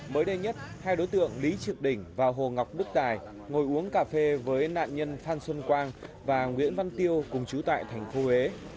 mới đây nhất hai đối tượng lý trực đỉnh và hồ ngọc đức tài ngồi uống cà phê với nạn nhân phan xuân quang và nguyễn văn tiêu cùng trú tại thành phố huế